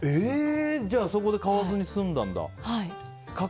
じゃあそこで買わずに済んだんだ。